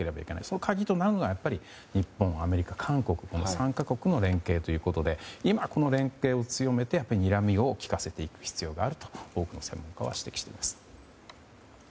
その鍵となるのがやはり日本、アメリカ、韓国の３か国の連携ということで今、その連携を強めてにらみを利かせていく必要があると多くの専門家は指摘しています。